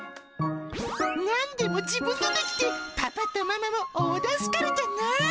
なんでも自分でできて、パパとママも大助かりだな。